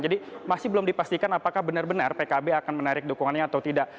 jadi masih belum dipastikan apakah benar benar pkb akan menarik dukungannya atau tidak